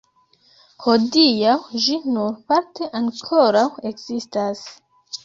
Hodiaŭ ĝi nur parte ankoraŭ ekzistas.